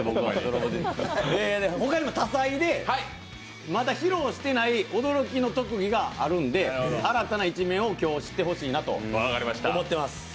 ほかにも多彩で、まだ披露していない驚きの特技があるんで新たな一面を今日知ってほしいなと思ってます。